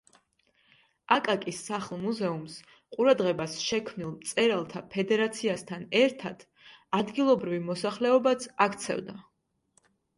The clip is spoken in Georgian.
აკაკის სახლ-მუზეუმს ყურადღებას შექმნილ მწერალთა ფედერაციასთან ერთად, ადგილობრივი მოსახლეობაც აქცევდა.